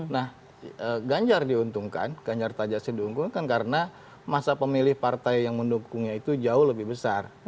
nah ganjar diuntungkan ganjar tajasi diuntungkan karena masa pemilih partai yang mendukungnya itu jauh lebih besar